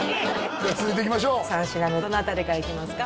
じゃあ続いていきましょう三品目どの辺りからいきますか？